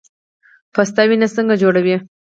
پسته وینه څنګه جوړوي؟